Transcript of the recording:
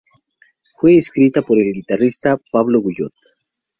Fue escrita por el guitarrista Pablo Guyot.